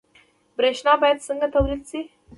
برښنا باید څنګه تولید شي؟